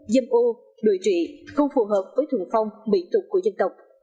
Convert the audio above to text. dâm ô đuổi trị không phù hợp với thường phong biện tục của dân tộc